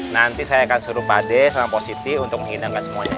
nanti saya akan suruh pak de sama pos siti untuk menghidangkan semuanya